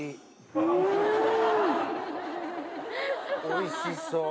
おいしそう。